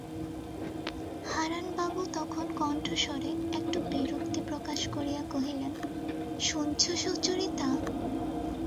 হারানবাবু তখন কণ্ঠস্বরে একটু বিরক্তি প্রকাশ করিয়া কহিলেন, শুনছ সুচরিতা?